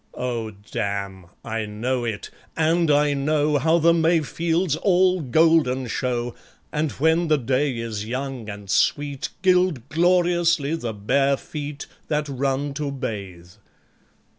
Oh, damn! I know it! and I know How the May fields all golden show, And when the day is young and sweet, Gild gloriously the bare feet That run to bathe